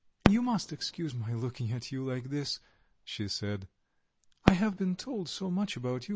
"You must excuse my looking at you like this," she said. "I have been told so much about you.